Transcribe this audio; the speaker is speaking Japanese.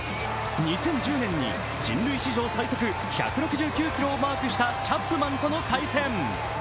２０１０年に人類史上最速１６９キロをマークしたチャップマンとの対戦。